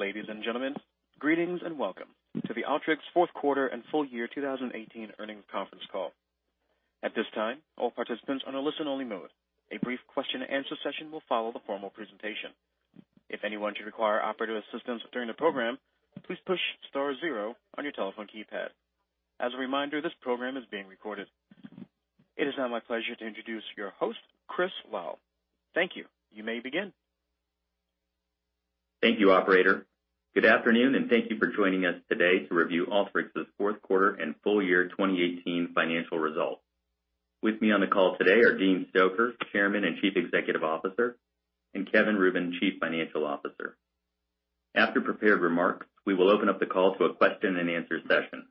Ladies and gentlemen, greetings and welcome to the Alteryx fourth quarter and full year 2018 earnings conference call. At this time, all participants are in a listen-only mode. A brief question and answer session will follow the formal presentation. If anyone should require operator assistance during the program, please push star zero on your telephone keypad. As a reminder, this program is being recorded. It is now my pleasure to introduce your host, Chris Lal. Thank you. You may begin. Thank you, operator. Good afternoon, and thank you for joining us today to review Alteryx's fourth quarter and full year 2018 financial results. With me on the call today are Dean Stoecker, Chairman and Chief Executive Officer, and Kevin Rubin, Chief Financial Officer. After prepared remarks, we will open up the call to a question and answer session.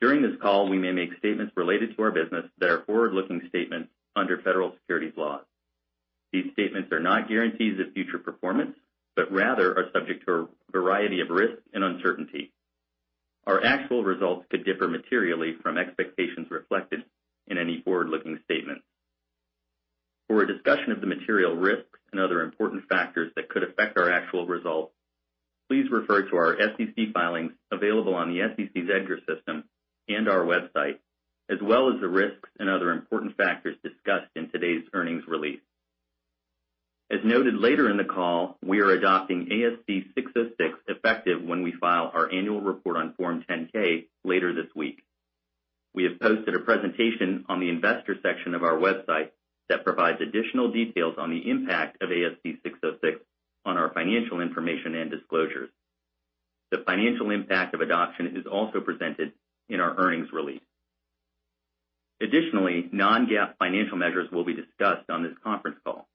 During this call, we may make statements related to our business that are forward-looking statements under federal securities laws. These statements are not guarantees of future performance, but rather are subject to a variety of risks and uncertainty. Our actual results could differ materially from expectations reflected in any forward-looking statement. For a discussion of the material risks and other important factors that could affect our actual results, please refer to our SEC filings available on the SEC's EDGAR system and our website, as well as the risks and other important factors discussed in today's earnings release. As noted later in the call, we are adopting ASC 606 effective when we file our annual report on Form 10-K later this week. We have posted a presentation on the investor section of our website that provides additional details on the impact of ASC 606 on our financial information and disclosures. The financial impact of adoption is also presented in our earnings release. Additionally, non-GAAP financial measures will be discussed on this conference call.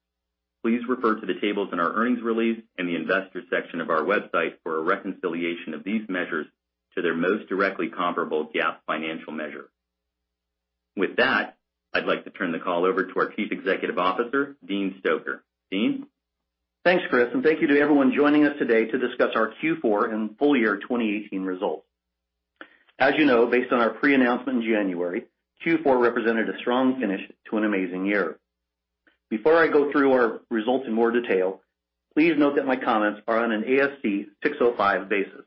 Please refer to the tables in our earnings release in the investor section of our website for a reconciliation of these measures to their most directly comparable GAAP financial measure. With that, I'd like to turn the call over to our Chief Executive Officer, Dean Stoecker. Dean? Thanks, Chris, and thank you to everyone joining us today to discuss our Q4 and full year 2018 results. As you know, based on our pre-announcement in January, Q4 represented a strong finish to an amazing year. Before I go through our results in more detail, please note that my comments are on an ASC 605 basis.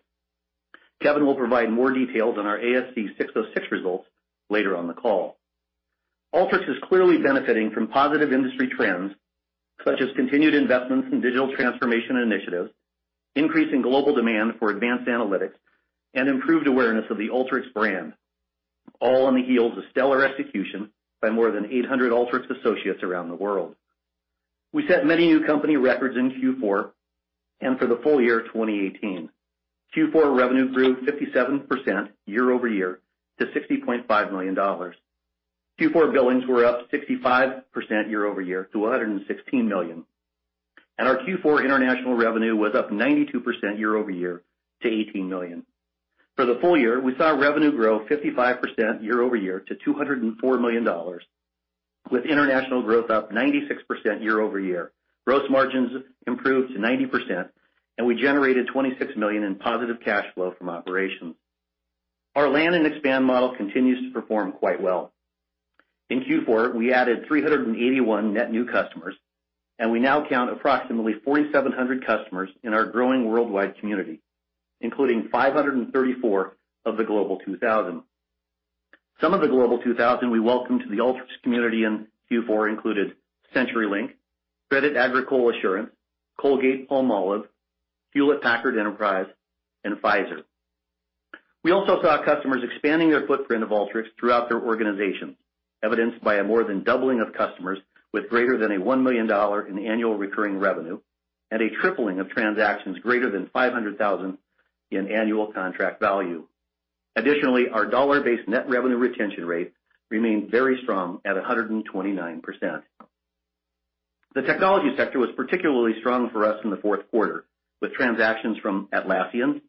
Kevin will provide more details on our ASC 606 results later on the call. Alteryx is clearly benefiting from positive industry trends such as continued investments in digital transformation initiatives, increase in global demand for advanced analytics, and improved awareness of the Alteryx brand, all on the heels of stellar execution by more than 800 Alteryx associates around the world. We set many new company records in Q4 and for the full year 2018. Q4 revenue grew 57% year-over-year to $60.5 million. Q4 billings were up 65% year-over-year to $116 million. Our Q4 international revenue was up 92% year-over-year to $18 million. For the full year, we saw revenue grow 55% year-over-year to $204 million, with international growth up 96% year-over-year. Gross margins improved to 90%. We generated $26 million in positive cash flow from operations. Our land and expand model continues to perform quite well. In Q4, we added 381 net new customers. We now count approximately 4,700 customers in our growing worldwide community, including 534 of the Global 2000. Some of the Global 2000 we welcomed to the Alteryx community in Q4 included CenturyLink, Crédit Agricole Assurances, Colgate-Palmolive, Hewlett Packard Enterprise, and Pfizer. We also saw customers expanding their footprint of Alteryx throughout their organization, evidenced by a more than doubling of customers with greater than a $1 million in annual recurring revenue and a tripling of transactions greater than $500,000 in annual contract value. Additionally, our dollar-based net revenue retention rate remained very strong at 129%. The technology sector was particularly strong for us in the fourth quarter, with transactions from Atlassian,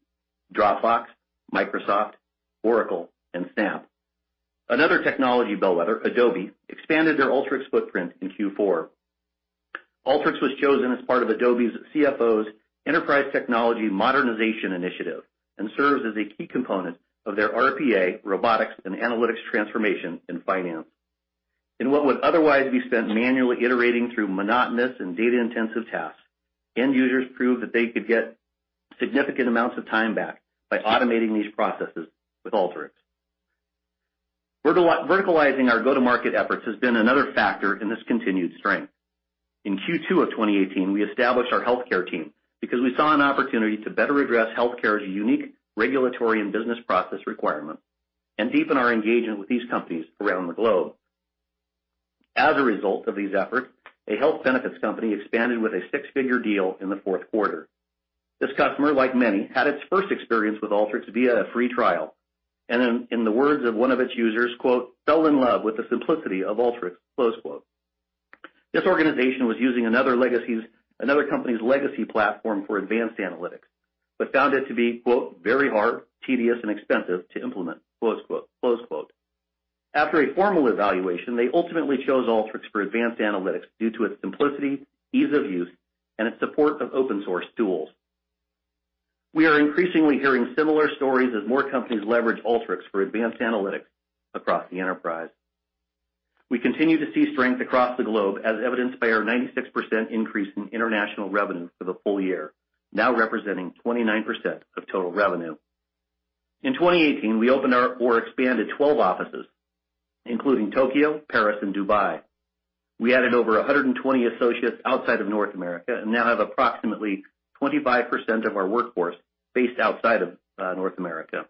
Dropbox, Microsoft, Oracle, and Snap. Another technology bellwether, Adobe, expanded their Alteryx footprint in Q4. Alteryx was chosen as part of Adobe's CFO's Enterprise Technology Modernization Initiative and serves as a key component of their RPA, robotics, and analytics transformation in finance. In what would otherwise be spent manually iterating through monotonous and data-intensive tasks, end users proved that they could get significant amounts of time back by automating these processes with Alteryx. Verticalizing our go-to-market efforts has been another factor in this continued strength. In Q2 of 2018, we established our healthcare team because we saw an opportunity to better address healthcare as a unique regulatory and business process requirement and deepen our engagement with these companies around the globe. As a result of these efforts, a health benefits company expanded with a six-figure deal in the fourth quarter. This customer, like many, had its first experience with Alteryx via a free trial, and in the words of one of its users, quote, "Fell in love with the simplicity of Alteryx." Close quote. This organization was using another company's legacy platform for advanced analytics, but found it to be, quote, "Very hard, tedious, and expensive to implement." Close quote. After a formal evaluation, they ultimately chose Alteryx for advanced analytics due to its simplicity, ease of use, and its support of open-source tools. We are increasingly hearing similar stories as more companies leverage Alteryx for advanced analytics across the enterprise. We continue to see strength across the globe as evidenced by our 96% increase in international revenue for the full year, now representing 29% of total revenue. In 2018, we opened or expanded 12 offices, including Tokyo, Paris, and Dubai. We added over 120 associates outside of North America, and now have approximately 25% of our workforce based outside of North America.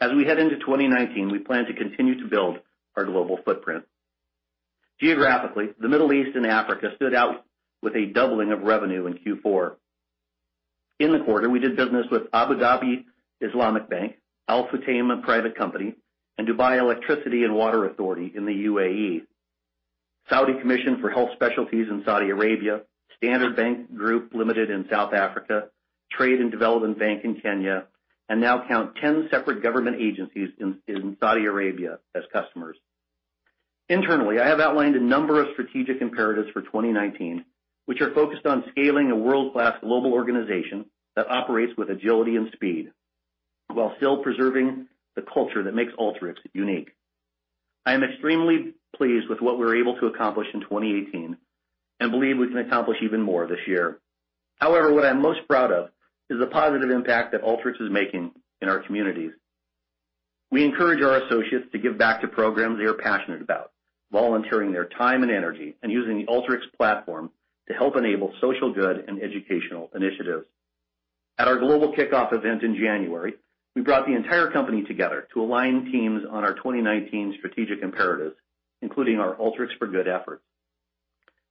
As we head into 2019, we plan to continue to build our global footprint. Geographically, the Middle East and Africa stood out with a doubling of revenue in Q4. In the quarter, we did business with Abu Dhabi Islamic Bank, Al-Futtaim Private Company, and Dubai Electricity and Water Authority in the UAE, Saudi Commission for Health Specialties in Saudi Arabia, Standard Bank Group Limited in South Africa, Trade and Development Bank in Kenya, and now count 10 separate government agencies in Saudi Arabia as customers. Internally, I have outlined a number of strategic imperatives for 2019, which are focused on scaling a world-class global organization that operates with agility and speed, while still preserving the culture that makes Alteryx unique. I am extremely pleased with what we were able to accomplish in 2018 and believe we can accomplish even more this year. However, what I'm most proud of is the positive impact that Alteryx is making in our communities. We encourage our associates to give back to programs they are passionate about, volunteering their time and energy, and using the Alteryx platform to help enable social good and educational initiatives. At our global kickoff event in January, we brought the entire company together to align teams on our 2019 strategic imperatives, including our Alteryx for Good efforts.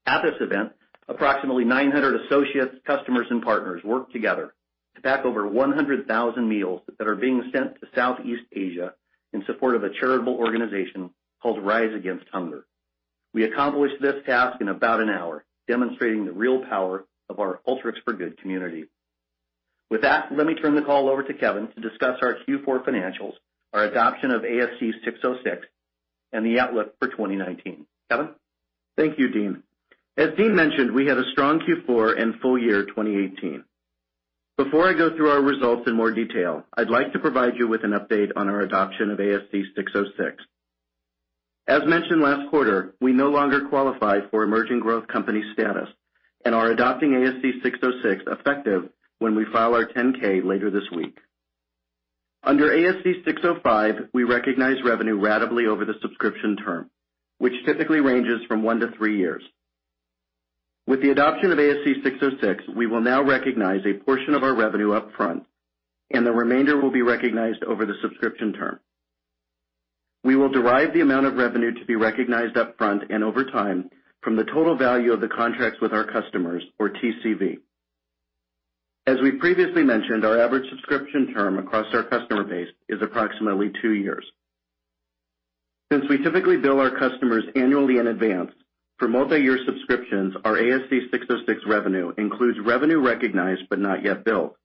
At this event, approximately 900 associates, customers, and partners worked together to pack over 100,000 meals that are being sent to Southeast Asia in support of a charitable organization called Rise Against Hunger. We accomplished this task in about an hour, demonstrating the real power of our Alteryx for Good community. With that, let me turn the call over to Kevin to discuss our Q4 financials, our adoption of ASC 606, and the outlook for 2019. Kevin? Thank you, Dean. As Dean mentioned, we had a strong Q4 and full year 2018. Before I go through our results in more detail, I'd like to provide you with an update on our adoption of ASC 606. As mentioned last quarter, we no longer qualify for emerging growth company status and are adopting ASC 606 effective when we file our 10K later this week. Under ASC 605, we recognize revenue ratably over the subscription term, which typically ranges from one to three years. With the adoption of ASC 606, we will now recognize a portion of our revenue up front, and the remainder will be recognized over the subscription term. We will derive the amount of revenue to be recognized up front and over time from the total value of the contracts with our customers, or TCV. As we previously mentioned, our average subscription term across our customer base is approximately two years. Since we typically bill our customers annually in advance, for multi-year subscriptions, our ASC 606 revenue includes revenue recognized but not yet billed.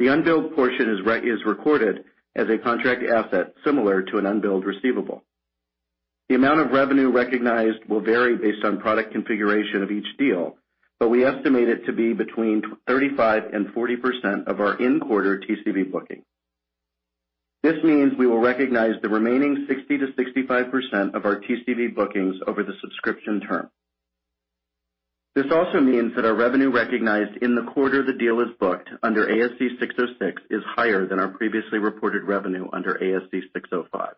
The unbilled portion is recorded as a contract asset similar to an unbilled receivable. The amount of revenue recognized will vary based on product configuration of each deal, but we estimate it to be between 35%-40% of our in-quarter TCV bookings. This means we will recognize the remaining 60%-65% of our TCV bookings over the subscription term. This also means that our revenue recognized in the quarter the deal is booked under ASC 606 is higher than our previously reported revenue under ASC 605.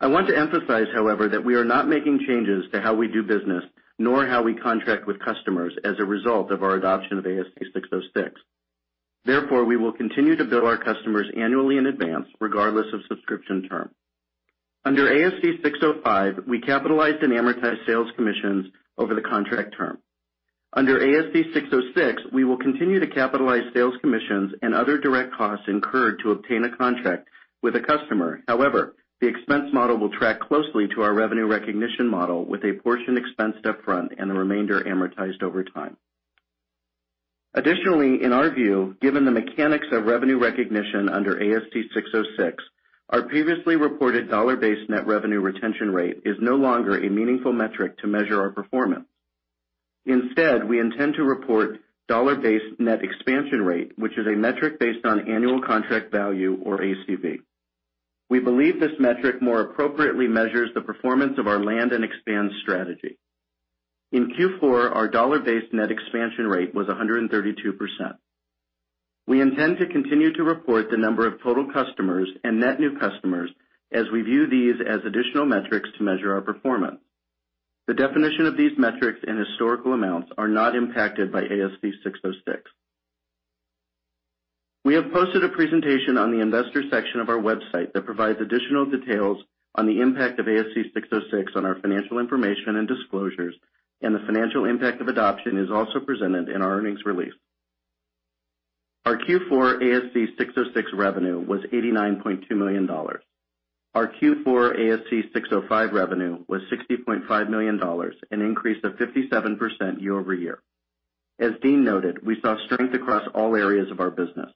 I want to emphasize, however, that we are not making changes to how we do business, nor how we contract with customers as a result of our adoption of ASC 606. Therefore, we will continue to bill our customers annually in advance, regardless of subscription term. Under ASC 605, we capitalized and amortized sales commissions over the contract term. Under ASC 606, we will continue to capitalize sales commissions and other direct costs incurred to obtain a contract with a customer. However, the expense model will track closely to our revenue recognition model with a portion expensed up front and the remainder amortized over time. Additionally, in our view, given the mechanics of revenue recognition under ASC 606, our previously reported dollar-based net revenue retention rate is no longer a meaningful metric to measure our performance. Instead, we intend to report dollar-based net expansion rate, which is a metric based on annual contract value, or ACV. We believe this metric more appropriately measures the performance of our land and expand strategy. In Q4, our dollar-based net expansion rate was 132%. We intend to continue to report the number of total customers and net new customers as we view these as additional metrics to measure our performance. The definition of these metrics and historical amounts are not impacted by ASC 606. We have posted a presentation on the investor section of our website that provides additional details on the impact of ASC 606 on our financial information and disclosures, and the financial impact of adoption is also presented in our earnings release. Our Q4 ASC 606 revenue was $89.2 million. Our Q4 ASC 605 revenue was $60.5 million, an increase of 57% year over year. As Dean noted, we saw strength across all areas of our business.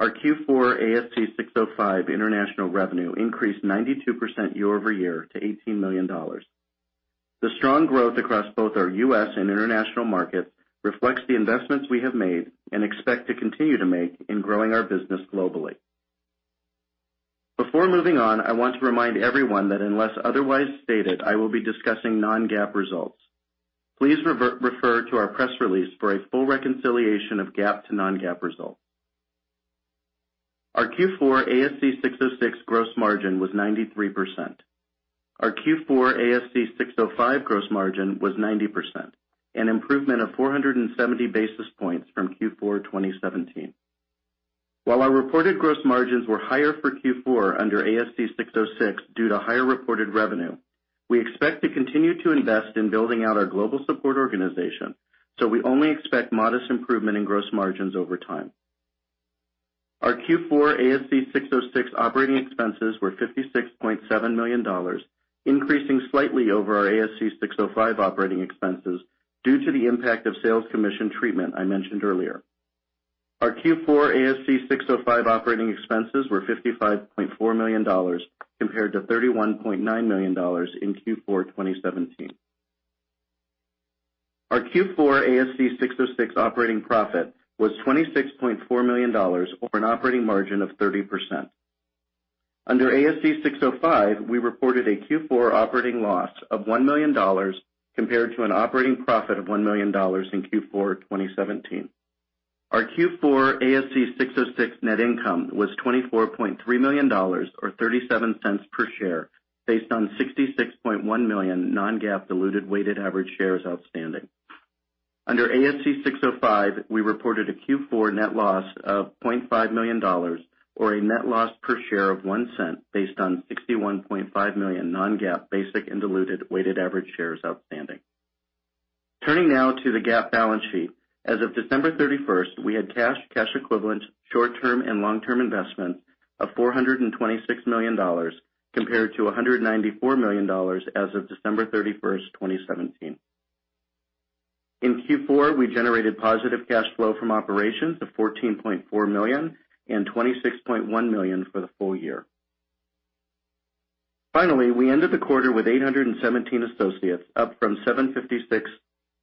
Our Q4 ASC 605 international revenue increased 92% year over year to $18 million. The strong growth across both our U.S. and international markets reflects the investments we have made and expect to continue to make in growing our business globally. Before moving on, I want to remind everyone that unless otherwise stated, I will be discussing non-GAAP results. Please refer to our press release for a full reconciliation of GAAP to non-GAAP results. Our Q4 ASC 606 gross margin was 93%. Our Q4 ASC 605 gross margin was 90%, an improvement of 470 basis points from Q4 2017. While our reported gross margins were higher for Q4 under ASC 606 due to higher reported revenue, we expect to continue to invest in building out our global support organization, we only expect modest improvement in gross margins over time. Our Q4 ASC 606 operating expenses were $56.7 million, increasing slightly over our ASC 605 operating expenses due to the impact of sales commission treatment I mentioned earlier. Our Q4 ASC 605 operating expenses were $55.4 million compared to $31.9 million in Q4 2017. Our Q4 ASC 606 operating profit was $26.4 million, or an operating margin of 30%. Under ASC 605, we reported a Q4 operating loss of $1 million compared to an operating profit of $1 million in Q4 2017. Our Q4 ASC 606 net income was $24.3 million, or $0.37 per share, based on 66.1 million non-GAAP diluted weighted average shares outstanding. Under ASC 605, we reported a Q4 net loss of $0.5 million, or a net loss per share of $0.01, based on 61.5 million non-GAAP basic and diluted weighted average shares outstanding. Turning now to the GAAP balance sheet. As of December 31st, we had cash equivalents, short-term and long-term investments of $426 million, compared to $194 million as of December 31st, 2017. In Q4, we generated positive cash flow from operations of $14.4 million and $26.1 million for the full year. Finally, we ended the quarter with 817 associates, up from 756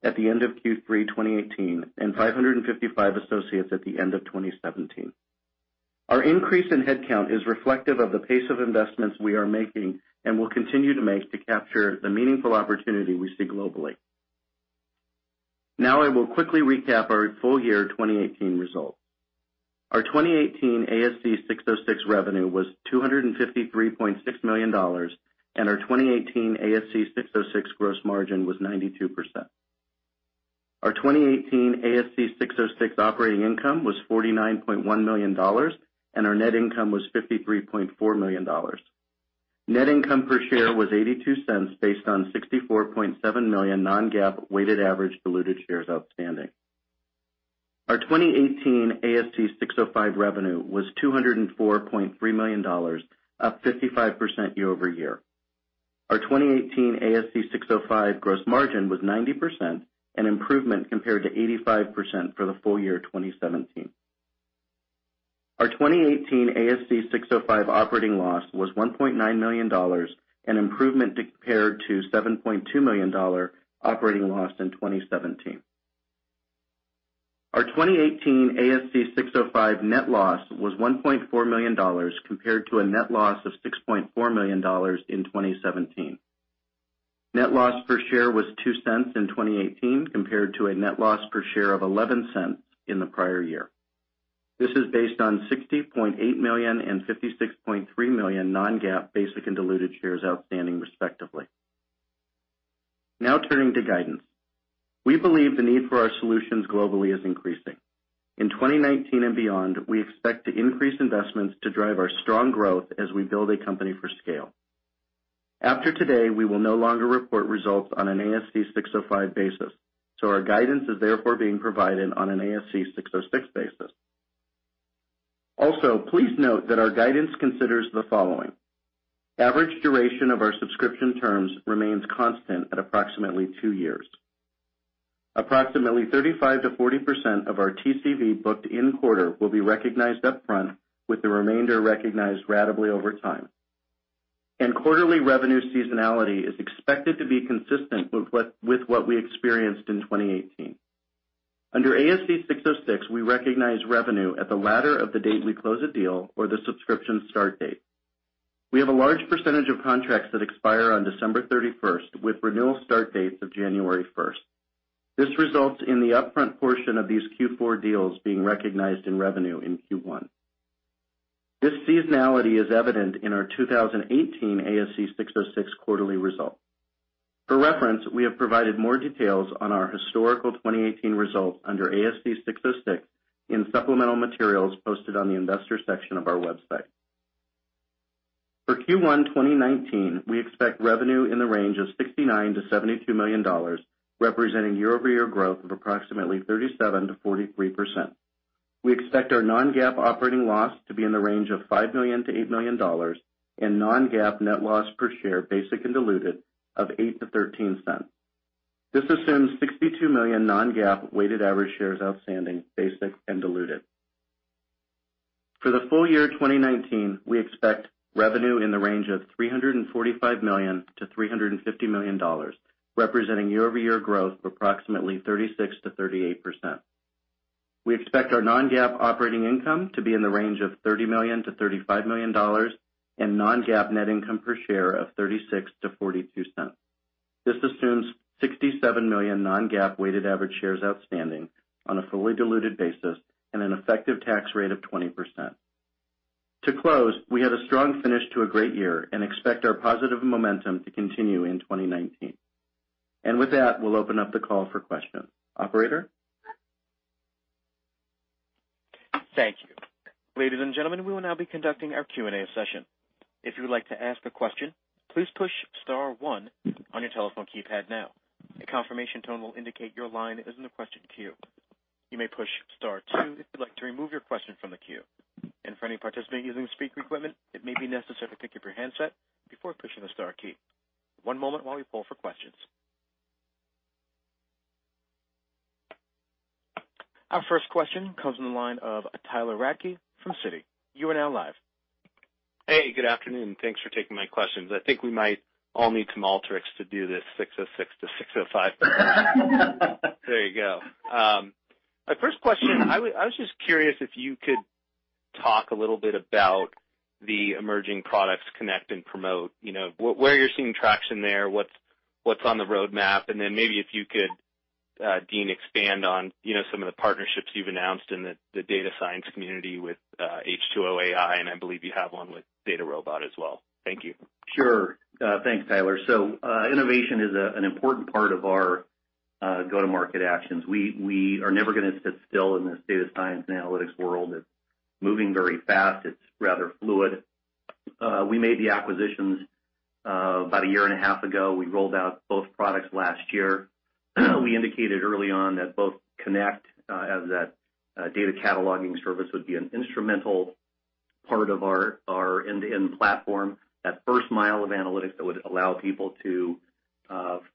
at the end of Q3 2018 and 555 associates at the end of 2017. Our increase in headcount is reflective of the pace of investments we are making and will continue to make to capture the meaningful opportunity we see globally. I will quickly recap our full year 2018 results. Our 2018 ASC 606 revenue was $253.6 million, and our 2018 ASC 606 gross margin was 92%. Our 2018 ASC 606 operating income was $49.1 million, and our net income was $53.4 million. Net income per share was $0.82 based on 64.7 million non-GAAP weighted average diluted shares outstanding. Our 2018 ASC 605 revenue was $204.3 million, up 55% year-over-year. Our 2018 ASC 605 gross margin was 90%, an improvement compared to 85% for the full year 2017. Our 2018 ASC 605 operating loss was $1.9 million, an improvement compared to $7.2 million operating loss in 2017. Our 2018 ASC 605 net loss was $1.4 million compared to a net loss of $6.4 million in 2017. Net loss per share was $0.02 in 2018 compared to a net loss per share of $0.11 in the prior year. This is based on 60.8 million and 56.3 million non-GAAP basic and diluted shares outstanding, respectively. Turning now to guidance. We believe the need for our solutions globally is increasing. In 2019 and beyond, we expect to increase investments to drive our strong growth as we build a company for scale. After today, we will no longer report results on an ASC 605 basis, our guidance is therefore being provided on an ASC 606 basis. Please note that our guidance considers the following. Average duration of our subscription terms remains constant at approximately two years. Approximately 35%-40% of our TCV booked in quarter will be recognized up front, with the remainder recognized ratably over time. Quarterly revenue seasonality is expected to be consistent with what we experienced in 2018. Under ASC 606, we recognize revenue at the latter of the date we close a deal or the subscription start date. We have a large percentage of contracts that expire on December 31st with renewal start dates of January 1st. This results in the upfront portion of these Q4 deals being recognized in revenue in Q1. This seasonality is evident in our 2018 ASC 606 quarterly results. For reference, we have provided more details on our historical 2018 results under ASC 606 in supplemental materials posted on the investors section of our website. For Q1 2019, we expect revenue in the range of $69 million-$72 million, representing year-over-year growth of approximately 37%-43%. We expect our non-GAAP operating loss to be in the range of $5 million-$8 million, and non-GAAP net loss per share, basic and diluted, of $0.08-$0.13. This assumes 62 million non-GAAP weighted average shares outstanding, basic and diluted. For the full year 2019, we expect revenue in the range of $345 million-$350 million, representing year-over-year growth of approximately 36%-38%. We expect our non-GAAP operating income to be in the range of $30 million-$35 million, and non-GAAP net income per share of $0.36-$0.42. This assumes 67 million non-GAAP weighted average shares outstanding on a fully diluted basis and an effective tax rate of 20%. To close, we had a strong finish to a great year and expect our positive momentum to continue in 2019. With that, we'll open up the call for questions. Operator? Thank you. Ladies and gentlemen, we will now be conducting our Q&A session. If you would like to ask a question, please push star one on your telephone keypad now. A confirmation tone will indicate your line is in the question queue. You may push star two if you'd like to remove your question from the queue. For any participant using speaker equipment, it may be necessary to keep your handset before pushing the star key. One moment while we poll for questions. Our first question comes from the line of Tyler Radke from Citi. You are now live. Hey, good afternoon. Thanks for taking my questions. I think we might all need some Alteryx to do this 606 to 605. There you go. My first question, I was just curious if you could talk a little bit about the emerging products, Connect and Promote, where you're seeing traction there, what's on the roadmap, and then maybe if you could, Dean, expand on some of the partnerships you've announced in the data science community with H2O.ai, and I believe you have one with DataRobot as well. Thank you. Thanks, Tyler. Innovation is an important part of our go-to-market actions. We are never going to sit still in this data science and analytics world. It's moving very fast. It's rather fluid. We made the acquisitions about a year and a half ago. We rolled out both products last year. We indicated early on that both Connect, as that data cataloging service, would be an instrumental part of our end-to-end platform, that first mile of analytics that would allow people to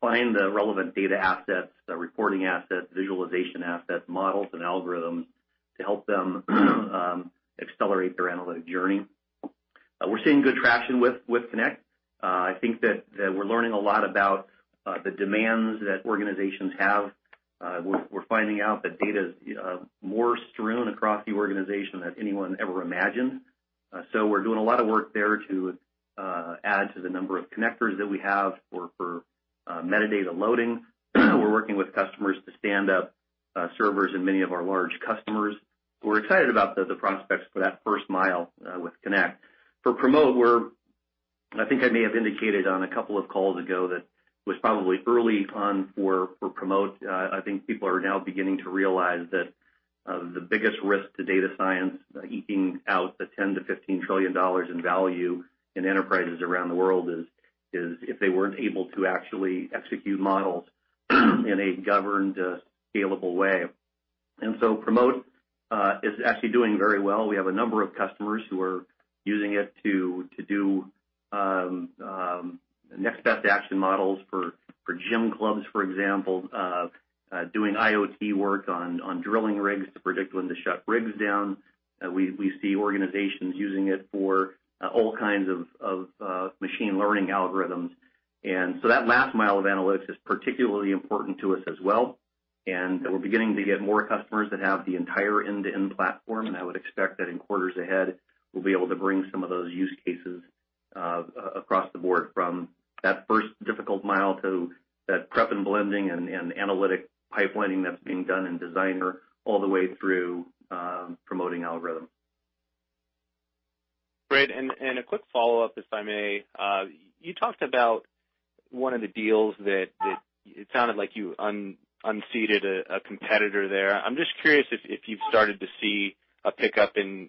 find the relevant data assets, the reporting assets, visualization assets, models, and algorithms to help them accelerate their analytic journey. We're seeing good traction with Connect. I think that we're learning a lot about the demands that organizations have. We're finding out that data is more strewn across the organization than anyone ever imagined. We're doing a lot of work there to add to the number of connectors that we have for metadata loading. We're working with customers to stand up servers and many of our large customers. We're excited about the prospects for that first mile with Connect. For Promote, I think I may have indicated on a couple of calls ago that was probably early on for Promote. I think people are now beginning to realize that the biggest risk to data science eking out the $10 trillion-$15 trillion in value in enterprises around the world is if they weren't able to actually execute models in a governed, scalable way. Promote is actually doing very well. We have a number of customers who are using it to do next best action models for gym clubs, for example, doing IoT work on drilling rigs to predict when to shut rigs down. We see organizations using it for all kinds of machine learning algorithms. That last mile of analytics is particularly important to us as well. We're beginning to get more customers that have the entire end-to-end platform. I would expect that in quarters ahead, we'll be able to bring some of those use cases across the board from that first difficult mile to that prep and blending and analytic pipelining that's being done in Designer all the way through promoting algorithms. Great, a quick follow-up, if I may. You talked about one of the deals that it sounded like you unseated a competitor there. I'm just curious if you've started to see a pickup in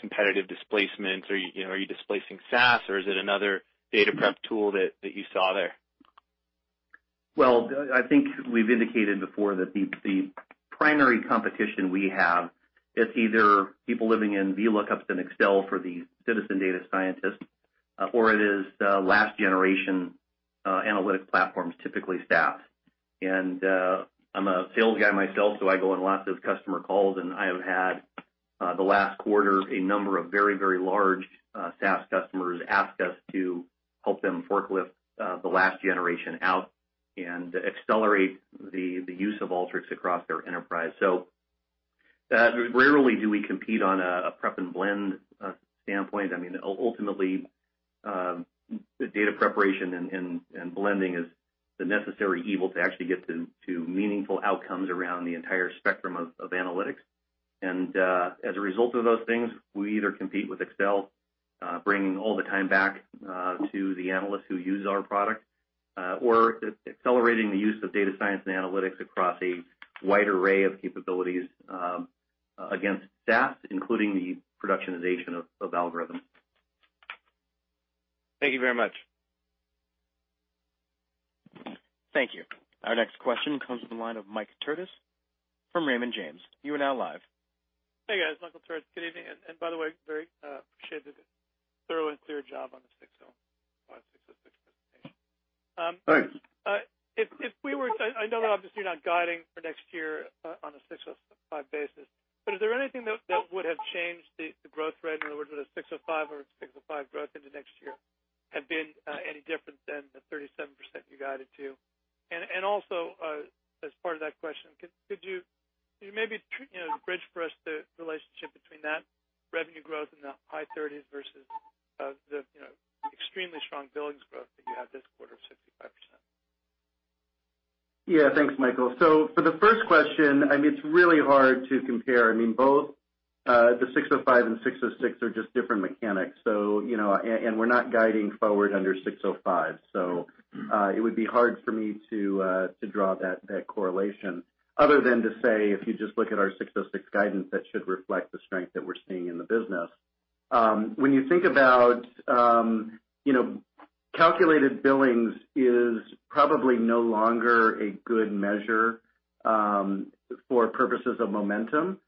competitive displacement or are you displacing SAS or is it another data prep tool that you saw there? I think we've indicated before that the primary competition we have is either people living in VLOOKUPs in Excel for the citizen data scientist, or it is last generation analytic platforms, typically SAS. I'm a sales guy myself, so I go on lots of customer calls, and I have had, the last quarter, a number of very, very large SAS customers ask us to help them forklift the last generation out and accelerate the use of Alteryx across their enterprise. Rarely do we compete on a prep and blend standpoint. Ultimately, data preparation and blending is the necessary evil to actually get to meaningful outcomes around the entire spectrum of analytics. As a result of those things, we either compete with Excel, bringing all the time back to the analysts who use our product, or accelerating the use of data science and analytics across a wide array of capabilities against SAS, including the productionization of algorithms. Thank you very much. Thank you. Our next question comes from the line of Mike Turits from Raymond James. You are now live. Hey, guys. Michael Turits. Good evening. By the way, very appreciate the thorough and clear job on the 606. Thanks. I know that obviously you're not guiding for next year on a 605 basis, is there anything that would have changed the growth rate? In other words, would a 605 or 605 growth into next year have been any different than the 37% you guided to? Also, as part of that question, could you maybe bridge for us the relationship between that revenue growth in the high 30s versus the extremely strong billings growth that you had this quarter of 65%? Yeah. Thanks, Michael. For the first question, it's really hard to compare. Both the 605 and 606 are just different mechanics. We're not guiding forward under 605, it would be hard for me to draw that correlation other than to say, if you just look at our 606 guidance, that should reflect the strength that we're seeing in the business. When you think about calculated billings is probably no longer a good measure for purposes of momentum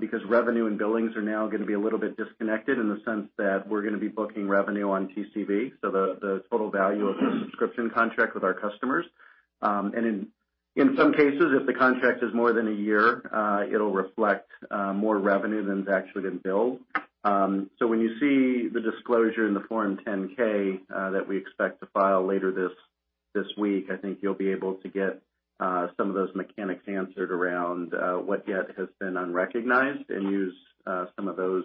because revenue and billings are now going to be a little bit disconnected in the sense that we're going to be booking revenue on TCV, the total value of the subscription contract with our customers. In some cases, if the contract is more than a year, it'll reflect more revenue than is actually going to bill. When you see the disclosure in the Form 10-K that we expect to file later this week, I think you'll be able to get some of those mechanics answered around what yet has been unrecognized and use some of those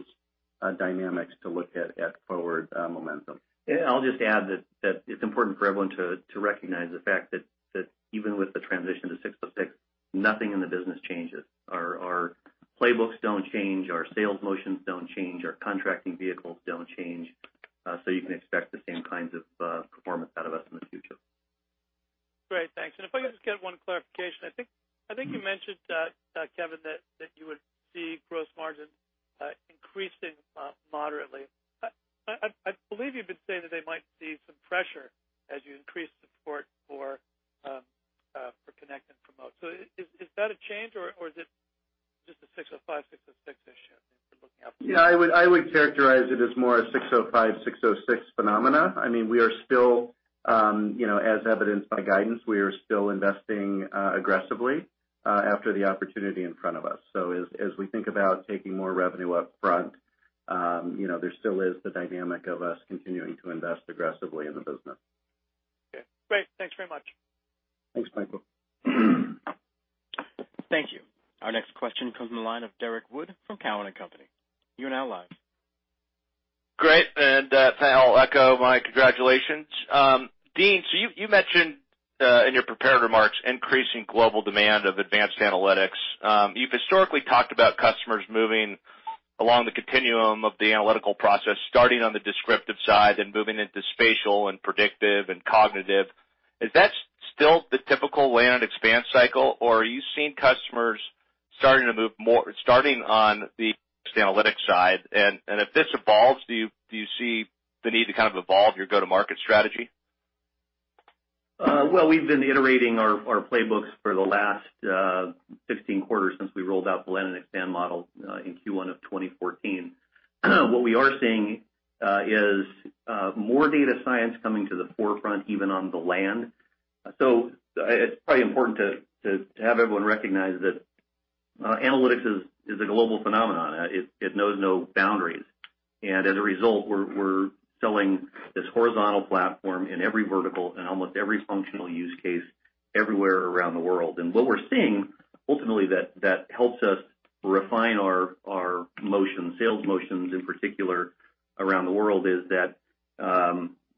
dynamics to look at forward momentum. I'll just add that it's important for everyone to recognize the fact that even with the transition to ASC 606, nothing in the business changes. Our playbooks don't change, our sales motions don't change, our contracting vehicles don't change. You can expect the same kinds of performance out of us in the future. Great. Thanks. If I could just get one clarification. I think you mentioned, Kevin, that you would see gross margin increasing moderately. I believe you've been saying that they might see some pressure as you increase support for Connect and Promote. Is that a change or is it just an ASC 605, ASC 606 issue if you're looking out? I would characterize it as more an ASC 605, ASC 606 phenomena. As evidenced by guidance, we are still investing aggressively after the opportunity in front of us. As we think about taking more revenue up front, there still is the dynamic of us continuing to invest aggressively in the business. Great. Thanks very much. Thanks, Michael. Thank you. Our next question comes from the line of Derrick Wood from Cowen and Company. You are now live. Great, panel, echo my congratulations. Dean, you mentioned in your prepared remarks increasing global demand of advanced analytics. You've historically talked about customers moving along the continuum of the analytical process, starting on the descriptive side, then moving into spatial and predictive and cognitive. Is that still the typical land expand cycle, or are you seeing customers starting to move more, starting on the analytics side? If this evolves, do you see the need to kind of evolve your go-to-market strategy? We've been iterating our playbooks for the last 16 quarters since we rolled out the land and expand model in Q1 of 2014. What we are seeing is more data science coming to the forefront, even on the land. It's probably important to have everyone recognize that analytics is a global phenomenon. It knows no boundaries. As a result, we're selling this horizontal platform in every vertical and almost every functional use case everywhere around the world. What we're seeing, ultimately, that helps us refine our motion, sales motions in particular around the world, is that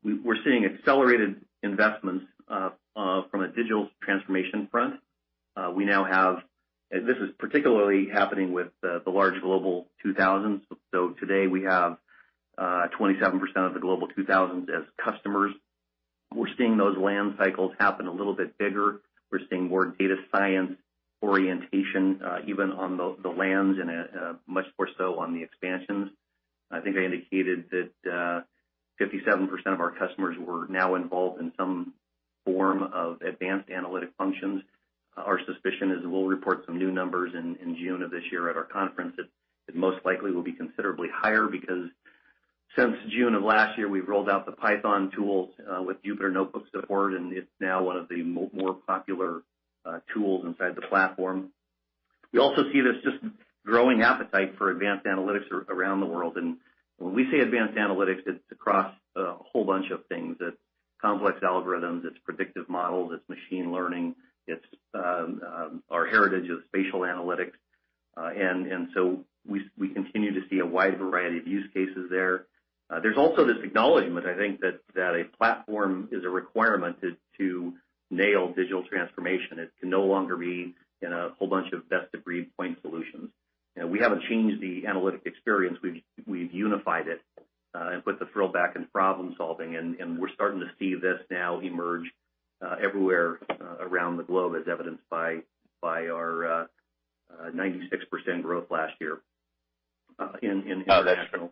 we're seeing accelerated investments from a digital transformation front. This is particularly happening with the large Global 2000s. Today we have 27% of the Global 2000s as customers. We're seeing those land cycles happen a little bit bigger. We're seeing more data science orientation even on the lands and much more so on the expansions. I think I indicated that 57% of our customers were now involved in some form of advanced analytic functions. Our suspicion is we'll report some new numbers in June of this year at our conference that most likely will be considerably higher because since June of last year, we've rolled out the Python tools with Jupyter Notebook support, and it's now one of the more popular tools inside the platform. We also see this just growing appetite for advanced analytics around the world. When we say advanced analytics, it's across a whole bunch of things. It's complex algorithms, it's predictive models, it's machine learning. It's our heritage of spatial analytics. So we continue to see a wide variety of use cases there. There's also this acknowledgement, I think, that a platform is a requirement to nail digital transformation. It can no longer be in a whole bunch of best-of-breed point solutions. We haven't changed the analytic experience. We've unified it and put the thrill back in problem-solving, and we're starting to see this now emerge everywhere around the globe, as evidenced by our 96% growth last year in international.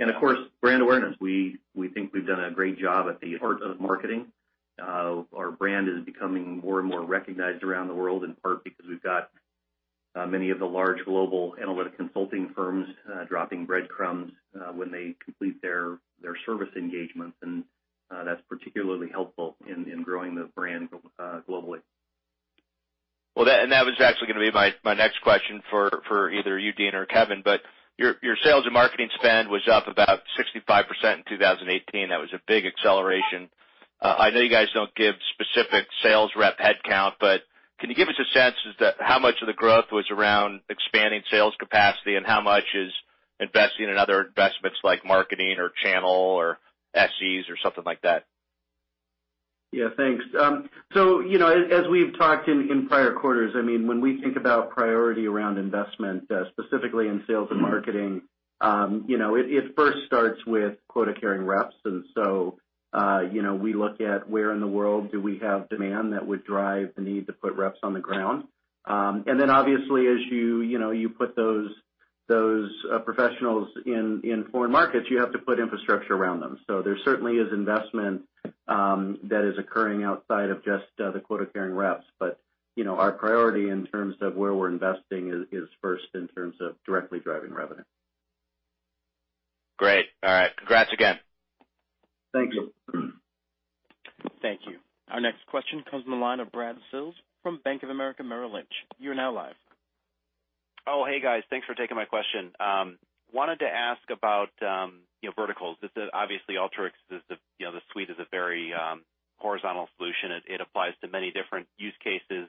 Of course, brand awareness. We think we've done a great job at the art of marketing. Our brand is becoming more and more recognized around the world, in part because we've got- Many of the large global analytic consulting firms dropping breadcrumbs when they complete their service engagements, that's particularly helpful in growing the brand globally. That was actually going to be my next question for either you, Dean, or Kevin. Your sales and marketing spend was up about 65% in 2018. That was a big acceleration. I know you guys don't give specific sales rep headcount, but can you give us a sense as to how much of the growth was around expanding sales capacity and how much is investing in other investments like marketing or channel or SEs or something like that? Thanks. As we've talked in prior quarters, when we think about priority around investment, specifically in sales and marketing, it first starts with quota-carrying reps. We look at where in the world do we have demand that would drive the need to put reps on the ground. Obviously, as you put those professionals in foreign markets, you have to put infrastructure around them. There certainly is investment that is occurring outside of just the quota-carrying reps. Our priority in terms of where we're investing is first in terms of directly driving revenue. Great. All right. Congrats again. Thank you. Thank you. Our next question comes from the line of Brad Sills from Bank of America Merrill Lynch. You are now live. Hey, guys. Thanks for taking my question. I wanted to ask about verticals. Alteryx, the suite is a very horizontal solution. It applies to many different use cases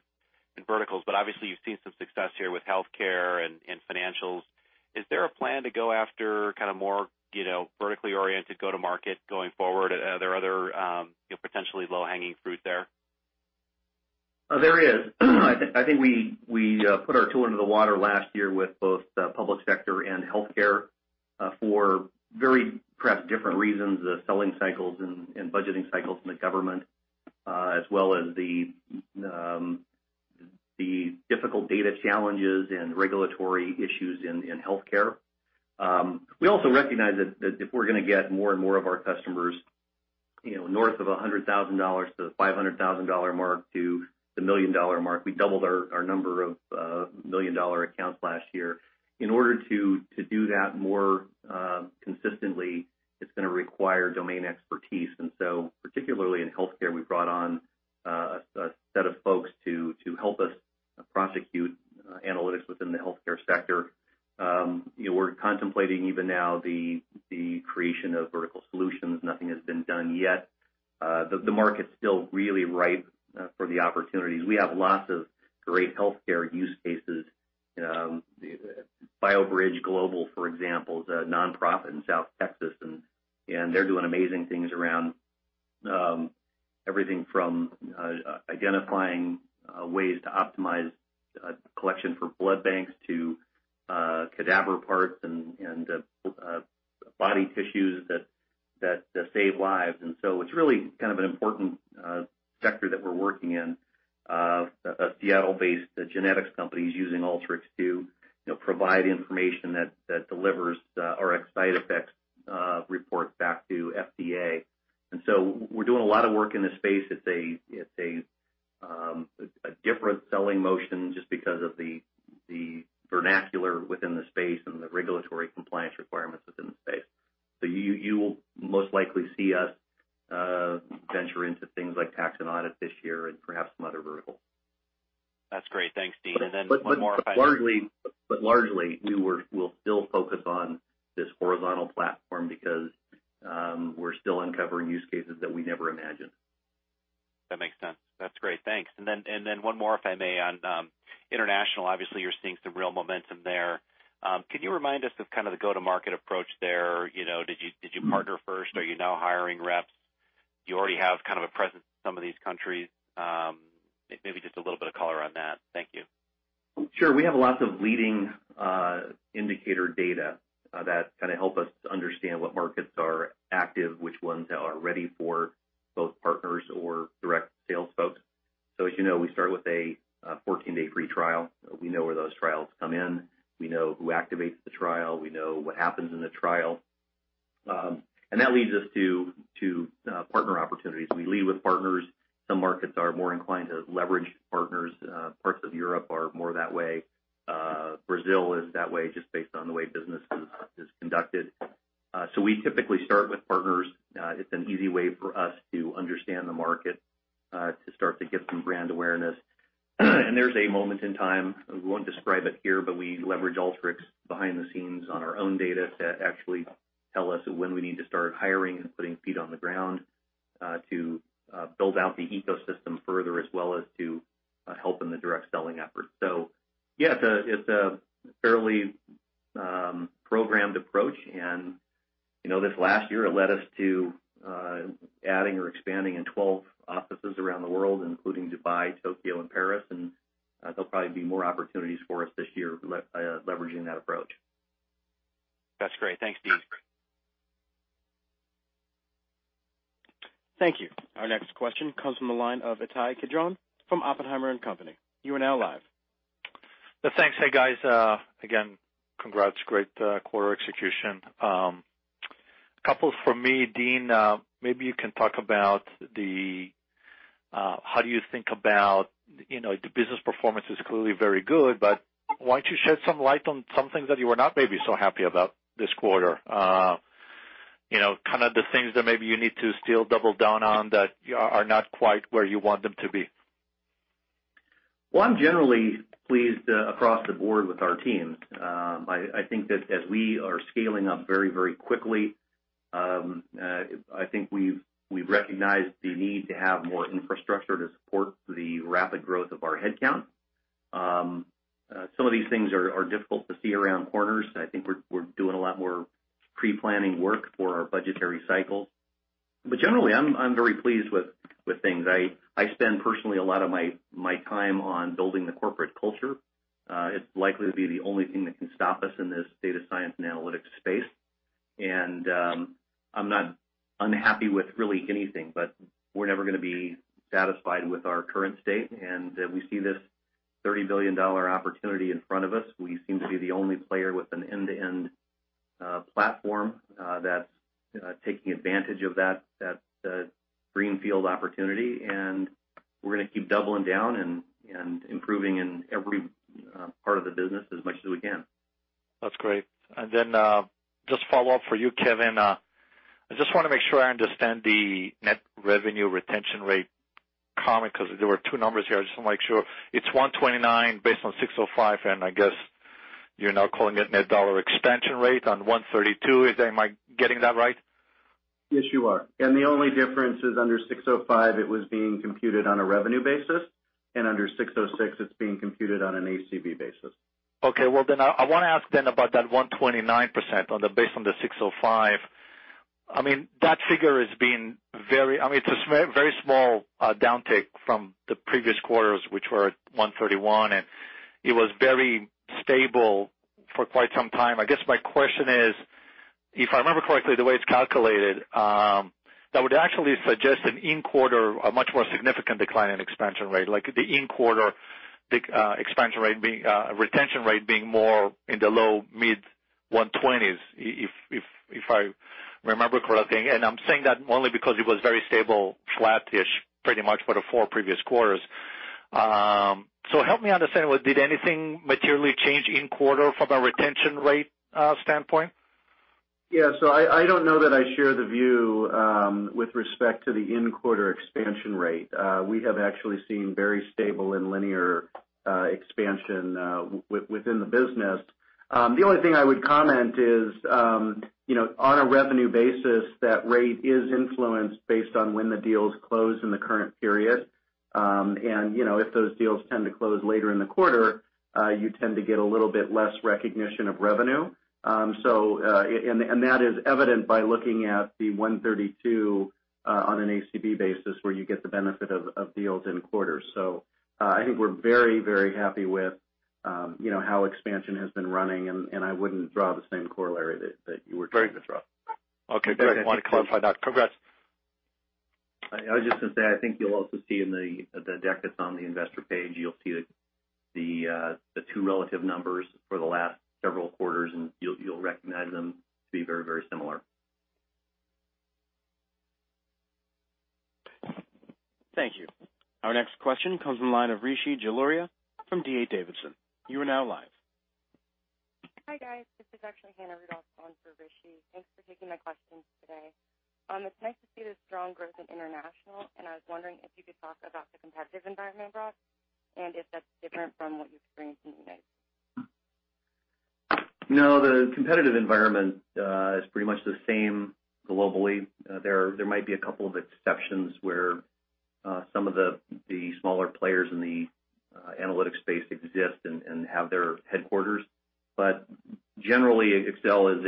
and verticals, but you've seen some success here with healthcare and financials. Is there a plan to go after more vertically oriented go-to market going forward? Are there other potentially low-hanging fruit there? There is. I think we put our toe into the water last year with both public sector and healthcare for very perhaps different reasons, the selling cycles and budgeting cycles in the government, as well as the difficult data challenges and regulatory issues in healthcare. We also recognize that if we're going to get more and more of our customers north of $100,000 to the $500,000 mark to the million-dollar mark, we doubled our number of million-dollar accounts last year. In order to do that more consistently, it's going to require domain expertise. Particularly in healthcare, we brought on a set of folks to help us prosecute analytics within the healthcare sector. We're contemplating even now the creation of vertical solutions. Nothing has been done yet. The market's still really ripe for the opportunities. We have lots of great healthcare use cases. BioBridge Global, for example, is a nonprofit in South Texas, and they're doing amazing things around everything from identifying ways to optimize collection for blood banks to cadaver parts and body tissues that save lives. It's really an important sector that we're working in. A Seattle-based genetics company is using Alteryx to provide information that delivers or side effects reports back to FDA. We're doing a lot of work in this space. It's a different selling motion just because of the vernacular within the space and the regulatory compliance requirements within the space. You will most likely see us venture into things like tax and audit this year and perhaps some other verticals. That's great. Thanks, Dean. One more, if I may. Largely, we'll still focus on this horizontal platform because we're still uncovering use cases that we never imagined. That makes sense. That's great. Thanks. One more, if I may, on international. Obviously, you're seeing some real momentum there. Can you remind us of kind of the go-to-market approach there? Did you partner first? Are you now hiring reps? Do you already have kind of a presence in some of these countries? Maybe just a little bit of color on that. Thank you. Sure. We have lots of leading indicator data that help us understand what markets are active, which ones are ready for both partners or direct sales folks. As you know, we start with a 14-day free trial. We know where those trials come in. We know who activates the trial. We know what happens in the trial. That leads us to partner opportunities. We lead with partners. Some markets are more inclined to leverage partners. Parts of Europe are more that way. Brazil is that way just based on the way business is conducted. We typically start with partners. It's an easy way for us to understand the market, to start to get some brand awareness. There's a moment in time, I won't describe it here, but we leverage Alteryx behind the scenes on our own data to actually tell us when we need to start hiring and putting feet on the ground to build out the ecosystem further as well as to help in the direct selling effort. It's a fairly programmed approach, and this last year, it led us to adding or expanding in 12 offices around the world, including Dubai, Tokyo, and Paris, and there'll probably be more opportunities for us this year leveraging that approach. That's great. Thanks, Dean. Thank you. Our next question comes from the line of Ittai Kidron from Oppenheimer & Co. You are now live. Thanks. Hey, guys. Again, congrats. Great quarter execution. A couple for me. Dean, maybe you can talk about how you think about the business performance is clearly very good, but why don't you shed some light on some things that you were not maybe so happy about this quarter? Kind of the things that maybe you need to still double down on that are not quite where you want them to be. Well, I'm generally pleased across the board with our team. I think that as we are scaling up very quickly, I think we've recognized the need to have more infrastructure to support the rapid growth of our headcount. Some of these things are difficult to see around corners. I think we're doing a lot more pre-planning work for our budgetary cycles. Generally, I'm very pleased with things. I spend personally a lot of my time on building the corporate culture. It's likely to be the only thing that can stop us in this data science and analytics space. I'm not unhappy with really anything, but we're never going to be satisfied with our current state, and we see this $30 billion opportunity in front of us. We seem to be the only player with an end-to-end platform that's taking advantage of that greenfield opportunity, and we're going to keep doubling down and improving in every part of the business as much as we can. That's great. Then, just a follow-up for you, Kevin. I just want to make sure I understand the net revenue retention rate comment, because there were two numbers here. I just want to make sure. It's 129 based on ASC 605, and I guess you're now calling it net dollar expansion rate on 132. Am I getting that right? Yes, you are. The only difference is under ASC 605, it was being computed on a revenue basis, and under ASC 606, it's being computed on an ACV basis. Well, I want to ask then about that 129% based on the ASC 605. It's a very small downtick from the previous quarters, which were at 131%, and it was very stable for quite some time. I guess my question is, if I remember correctly, the way it's calculated, that would actually suggest an in-quarter, a much more significant decline in expansion rate, like the in-quarter retention rate being more in the low mid 120s, if I remember correctly. I'm saying that only because it was very stable, flattish pretty much for the four previous quarters. Help me understand, did anything materially change in-quarter from a retention rate standpoint? I don't know that I share the view with respect to the in-quarter expansion rate. We have actually seen very stable and linear expansion within the business. The only thing I would comment is, on a revenue basis, that rate is influenced based on when the deals close in the current period. If those deals tend to close later in the quarter, you tend to get a little bit less recognition of revenue. That is evident by looking at the 132% on an ACV basis where you get the benefit of deals in quarters. I think we're very happy with how expansion has been running, and I wouldn't draw the same corollary that you were trying to draw. Great. Wanted to clarify that. Congrats. I was just going to say, I think you'll also see in the deck that's on the investor page, you'll see the two relative numbers for the last several quarters. You'll recognize them to be very similar. Thank you. Our next question comes from the line of Rishi Jaluria from D.A. Davidson. You are now live. Hi, guys. This is actually Hannah Rudolph on for Rishi. Thanks for taking my questions today. It's nice to see the strong growth in international, I was wondering if you could talk about the competitive environment abroad and if that's different from what you experienced in the United States. No, the competitive environment is pretty much the same globally. There might be a couple of exceptions where some of the smaller players in the analytic space exist and have their headquarters. Generally, Excel is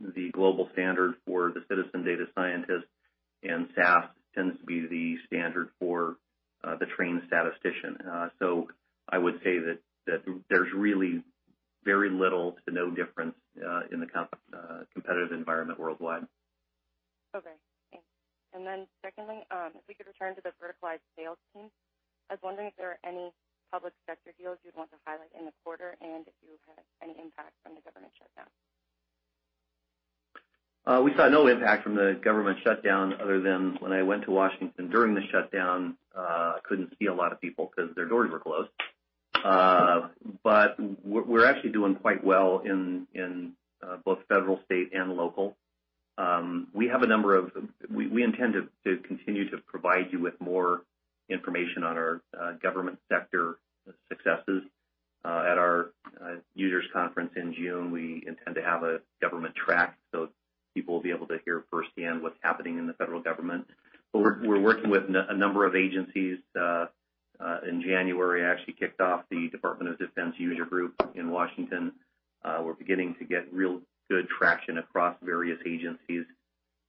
the global standard for the citizen data scientist, and SAS tends to be the standard for the trained statistician. I would say that there's really very little to no difference in the competitive environment worldwide. Okay, thanks. Secondly, if we could return to the verticalized sales team. I was wondering if there are any public sector deals you'd want to highlight in the quarter, and if you had any impact from the government shutdown. We saw no impact from the government shutdown other than when I went to Washington during the shutdown, I couldn't see a lot of people because their doors were closed. We're actually doing quite well in both federal, state, and local. We intend to continue to provide you with more information on our government sector successes. At our users conference in June, we intend to have a government track so people will be able to hear firsthand what's happening in the federal government. We're working with a number of agencies. In January, I actually kicked off the Department of Defense user group in Washington. We're beginning to get real good traction across various agencies,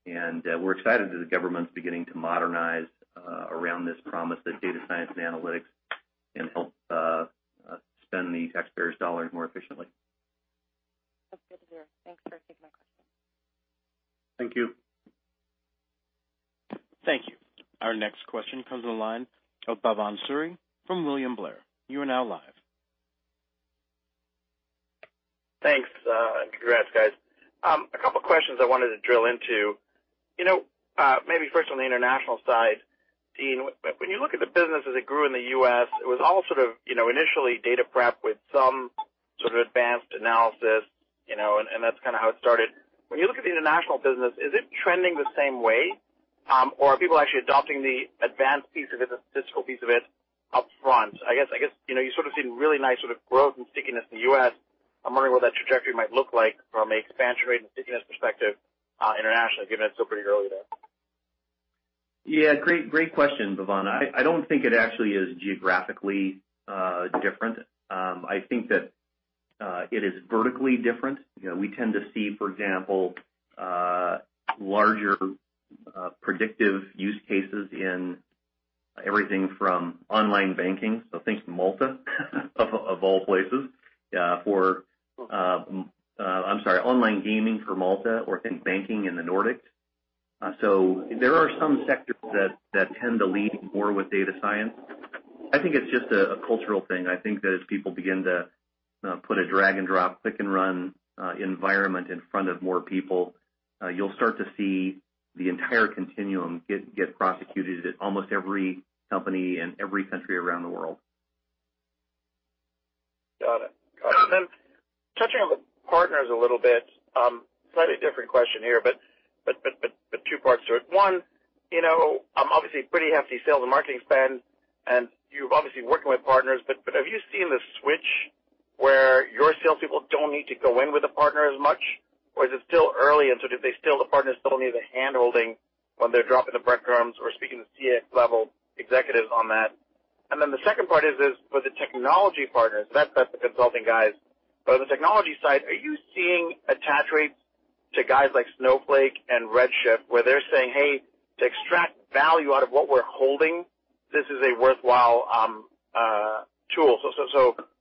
and we're excited that the government's beginning to modernize around this promise that data science and analytics can help spend the taxpayers' dollars more efficiently. That's good to hear. Thanks for taking my question. Thank you. Next question comes on the line of Bhavan Suri from William Blair. You are now live. Thanks. Congrats, guys. A couple questions I wanted to drill into. Maybe first on the international side, Dean, when you look at the business as it grew in the U.S., it was all sort of initially data prep with some sort of advanced analysis, and that's kind of how it started. Are people actually adopting the advanced piece of it, the statistical piece of it up front? I guess, you sort of seen really nice sort of growth and stickiness in the U.S. I'm wondering what that trajectory might look like from a expansion rate and stickiness perspective internationally, given it's still pretty early there. Yeah. Great question, Bhavan. I don't think it actually is geographically different. I think that it is vertically different. We tend to see, for example, larger predictive use cases in everything from online banking, so think Malta of all places for online gaming for Malta or think banking in the Nordics. There are some sectors that tend to lead more with data science. I think it's just a cultural thing. I think that as people begin to put a drag and drop, click and run environment in front of more people, you'll start to see the entire continuum get prosecuted at almost every company in every country around the world. Got it. Touching on the partners a little bit, slightly different question here, but two parts to it. One, obviously pretty hefty sales and marketing spend, and you've obviously working with partners, but have you seen the switch where your salespeople don't need to go in with a partner as much? Or is it still early and sort of the partners still need the handholding when they're dropping the breadcrumbs or speaking to CX level executives on that? The second part is, for the technology partners, that's the consulting guys. But on the technology side, are you seeing attach rates to guys like Snowflake and Redshift where they're saying, "Hey, to extract value out of what we're holding, this is a worthwhile tool."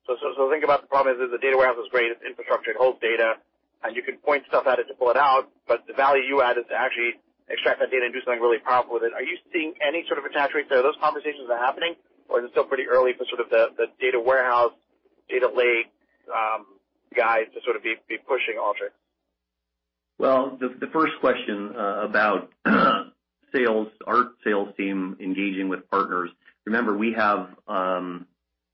Think about the problem is the data warehouse is great. It's infrastructure, it holds data, and you can point stuff at it to pull it out. The value you add is to actually extract that data and do something really powerful with it. Are you seeing any sort of attach rates there? Are those conversations are happening, or is it still pretty early for sort of the data warehouse, data lake guys to sort of be pushing Alteryx? Well, the first question about our sales team engaging with partners. Remember, we have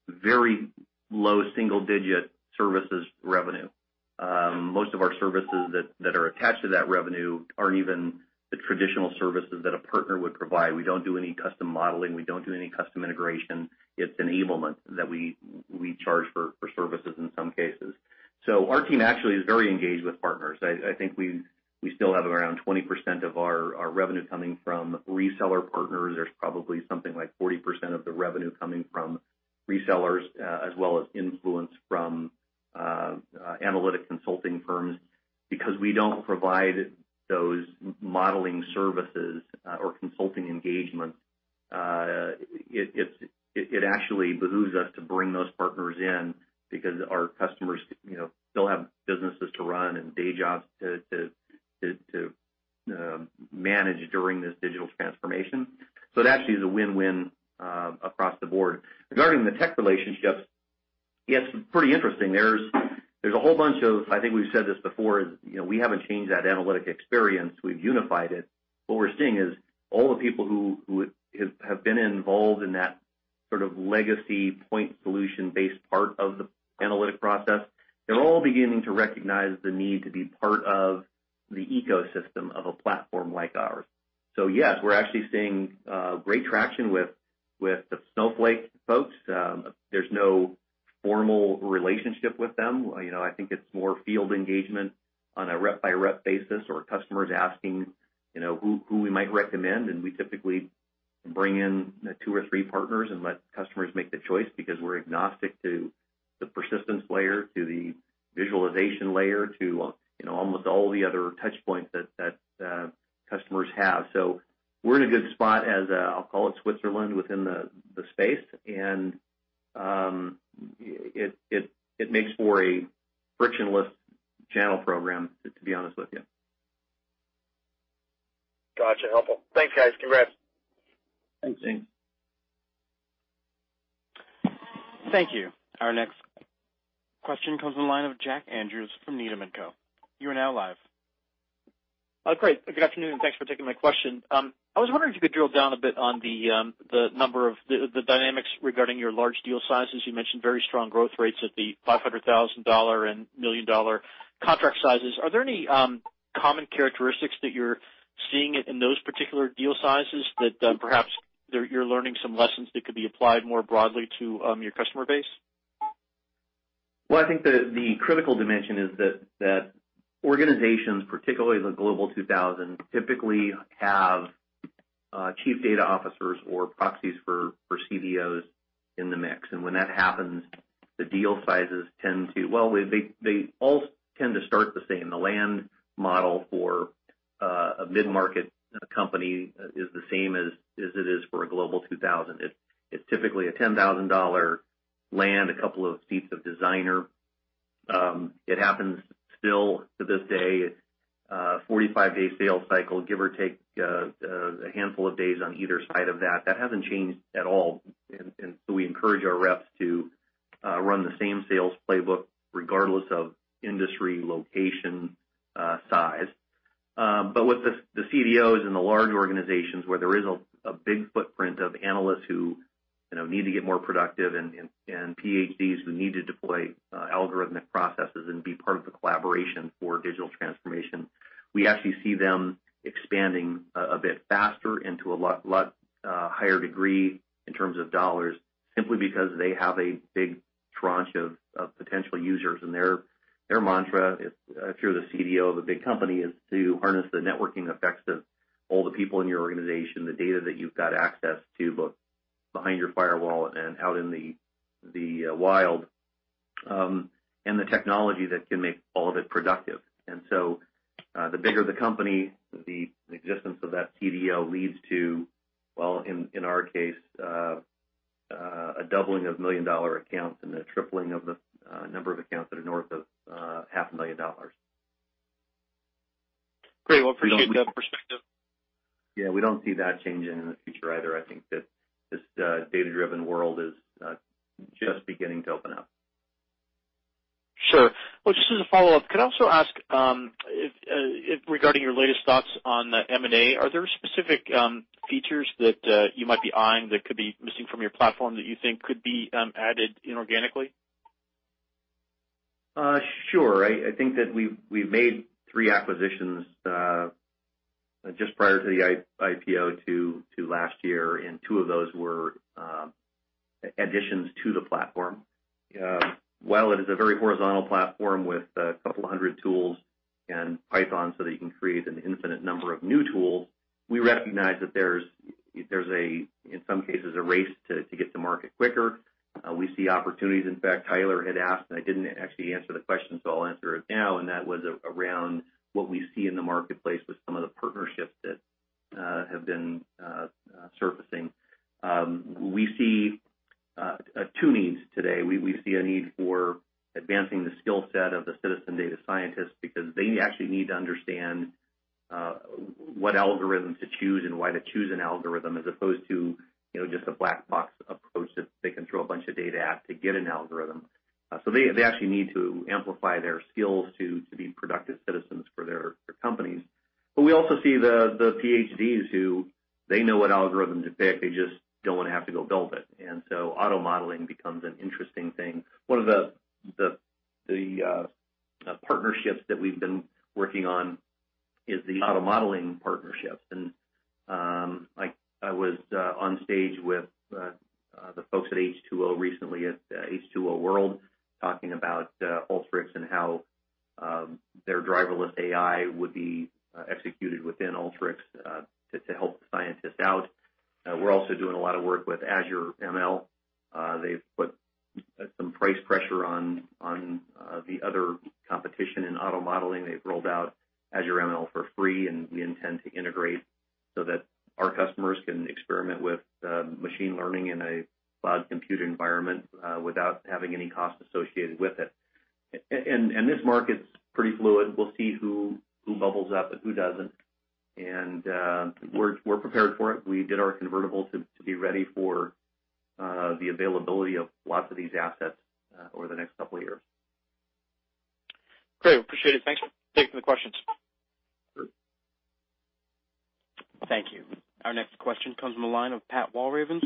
very low single-digit services revenue. Most of our services that are attached to that revenue aren't even the traditional services that a partner would provide. We don't do any custom modeling. We don't do any custom integration. It's enablement that we charge for services in some cases. Our team actually is very engaged with partners. I think we still have around 20% of our revenue coming from reseller partners. There's probably something like 40% of the revenue coming from resellers, as well as influence from analytic consulting firms. Because we don't provide those modeling services or consulting engagements, it actually behooves us to bring those partners in because our customers still have businesses to run and day jobs to manage during this digital transformation. It actually is a win-win across the board. Regarding the tech relationships, yeah, it's pretty interesting. There's a whole bunch of, I think we've said this before, is we haven't changed that analytic experience. We've unified it. What we're seeing is all the people who have been involved in that sort of legacy point solution based part of the analytic process, they're all beginning to recognize the need to be part of the ecosystem of a platform like ours. Yes, we're actually seeing great traction with the Snowflake folks. There's no formal relationship with them. I think it's more field engagement on a rep-by-rep basis or customers asking who we might recommend, and we typically bring in two or three partners and let customers make the choice because we're agnostic to the persistence layer, to the visualization layer, to almost all the other touch points that customers have. We're in a good spot as a, I'll call it Switzerland within the space, and it makes for a frictionless channel program, to be honest with you. Got you. Helpful. Thanks, guys. Congrats. Thanks, Dean. Thank you. Our next question comes on the line of Jack Andrews from Needham & Company. You are now live. Great. Good afternoon, thanks for taking my question. I was wondering if you could drill down a bit on the dynamics regarding your large deal sizes. You mentioned very strong growth rates at the $500,000 and million-dollar contract sizes. Are there any common characteristics that you're seeing in those particular deal sizes that perhaps you're learning some lessons that could be applied more broadly to your customer base? Well, I think the critical dimension is that organizations, particularly the Global 2000, typically have Chief Data Officers or proxies for CDOs in the mix. When that happens, the deal sizes tend to Well, they all tend to start the same. The land model for a mid-market company is the same as it is for a Global 2000. It's typically a $10,000 land, a couple of seats of Designer. It happens still to this day. It's a 45-day sales cycle, give or take a handful of days on either side of that. That hasn't changed at all. So we encourage our reps to run the same sales playbook regardless of industry, location, size. With the CDOs and the large organizations, where there is a big footprint of analysts who need to get more productive and PhDs who need to deploy algorithmic processes and be part of the collaboration for digital transformation, we actually see them expanding a bit faster into a lot higher degree in terms of dollars, simply because they have a big tranche of potential users. Their mantra, if you're the CDO of a big company, is to harness the networking effects of all the people in your organization, the data that you've got access to, both behind your firewall and out in the wild, and the technology that can make all of it productive. The bigger the company, the existence of that CDO leads to, well, in our case, a doubling of million-dollar accounts and a tripling of the number of accounts that are north of half a million dollars. Great. Well, appreciate that perspective. Yeah, we don't see that changing in the future either. I think that this data-driven world is just beginning to open up. Sure. Well, just as a follow-up, could I also ask regarding your latest thoughts on M&A, are there specific features that you might be eyeing that could be missing from your platform that you think could be added inorganically? Sure. I think that we've made three acquisitions, just prior to the IPO to last year, and two of those were additions to the platform. While it is a very horizontal platform with a couple 100 tools and Python so that you can create an infinite number of new tools, we recognize that there's, in some cases, a race to get to market quicker. We see opportunities. In fact, Tyler had asked, and I didn't actually answer the question, so I'll answer it now, and that was around what we see in the marketplace with some of the partnerships that have been surfacing. We see two needs today. We see a need for advancing the skill set of the citizen data scientists because they actually need to understand what algorithms to choose and why to choose an algorithm as opposed to just a black box approach that they can throw a bunch of data at to get an algorithm. They actually need to amplify their skills to be productive citizens for their companies. We also see the PhDs who they know what algorithms to pick. They just don't want to have to go build it. Auto-modeling becomes an interesting thing. One of the partnerships that we've been working on is the auto-modeling partnership. I was onstage with the folks at H2O recently at H2O World talking about Alteryx and how their Driverless AI would be executed within Alteryx to help the scientist out. We're also doing a lot of work with Azure ML. They've put some price pressure on the other competition in auto modeling. They've rolled out Azure ML for free, and we intend to integrate so that our customers can experiment with machine learning in a cloud compute environment without having any cost associated with it. This market's pretty fluid. We'll see who bubbles up and who doesn't, and we're prepared for it. We did our convertible to be ready for the availability of lots of these assets over the next couple of years. Great. Well, appreciate it. Thanks for taking the questions. Sure. Thank you. Our next question comes from the line of Pat Walravens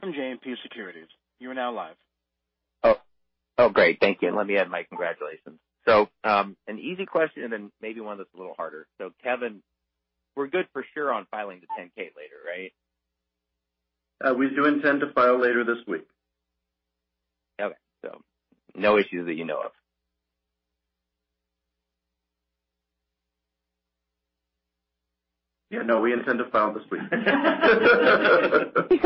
from JMP Securities. You are now live. Oh, great. Thank you. Let me add my congratulations. An easy question and then maybe one that's a little harder. Kevin, we're good for sure on filing the Form 10-K later, right? We do intend to file later this week. Okay. No issues that you know of? Yeah, no, we intend to file this week. Okay.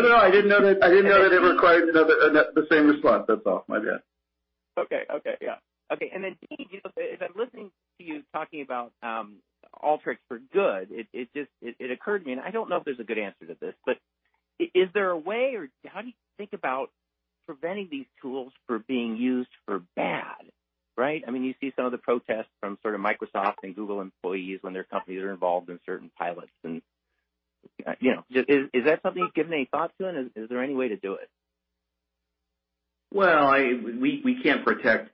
No, I didn't know that it required the same response, that's all. My bad. Okay. Yeah. Okay. Then, Dean, as I'm listening to you talking about Alteryx for Good, it occurred to me, I don't know if there's a good answer to this, is there a way or how do you think about preventing these tools for being used for bad, right? You see some of the protests from sort of Microsoft and Google employees when their companies are involved in certain pilots, is that something you've given any thought to? Is there any way to do it? Well, we can't protect